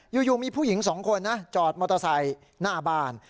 อยู่มีผู้หญิงสองคนนะจอดมอเตอร์ไซค์หน้าบ้าน